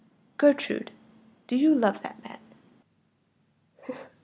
Gertrude, do you love that man?"